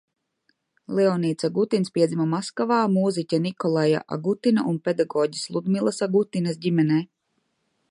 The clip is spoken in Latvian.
Leonīds Agutins piedzima Maskavā, mūziķa Nikolaja Agutina un pedagoģes Ludmilas Agutinas ģimenē.